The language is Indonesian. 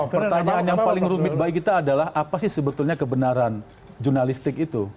pertanyaan yang paling rumit bagi kita adalah apa sih sebetulnya kebenaran jurnalistik itu